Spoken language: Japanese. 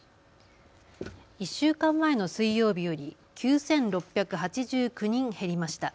１週間前の水曜日より９６８９人減りました。